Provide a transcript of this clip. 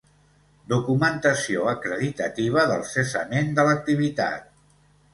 Documentació acreditativa del cessament de l'activitat.